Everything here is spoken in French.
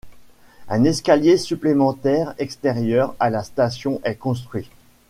Un escalier supplémentaire extérieur à la station est construit.